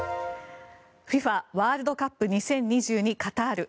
ワールドカップ２０２２カタール。